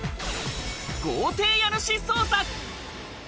豪邸家主捜査！